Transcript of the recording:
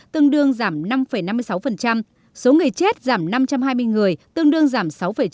tương đương giảm năm năm mươi sáu số người chết giảm năm trăm hai mươi người tương đương giảm sáu chín